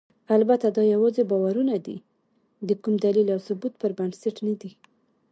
البته دا یواځې باورونه دي، د کوم دلیل او ثبوت پر بنسټ نه دي.